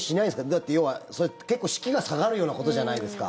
だって要は結構士気が下がるようなことじゃないですか。